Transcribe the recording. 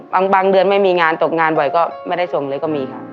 บางเดือนไม่มีงานตกงานบ่อยก็ไม่ได้ส่งเลยก็มีค่ะ